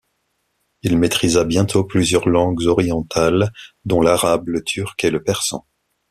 Il maîtrisa bientôt plusieurs langues orientales, dont l'arabe, le turc et le persan.